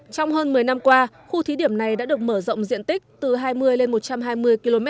trong hơn một mươi năm qua khu thí điểm này đã được mở rộng diện tích từ hai mươi lên một trăm hai mươi km hai